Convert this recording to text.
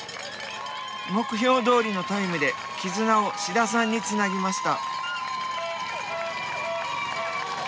目標どおりのタイムで「絆」を志田さんにつなぎました。